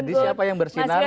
jadi siapa yang bersinar